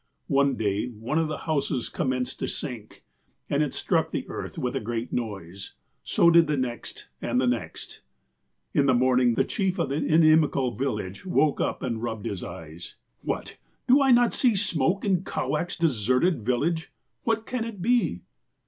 One day, one of the houses commenced to sink, and it struck the earth with a great noise ; so did the next, and the next. " In the morning the chief of the inimical village woke up and rubbed his eyes :"' What, do I not see smoke in Kowak's deserted vil lage ? What can it be